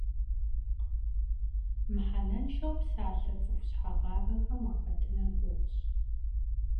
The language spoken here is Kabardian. Mıhenenşşeu psalhe ts'ıxu şheğavexem vuaxetınır guğuş.